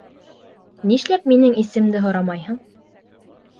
Нишләп минең исемде һорамайһың.